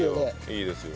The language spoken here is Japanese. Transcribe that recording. いいですよ。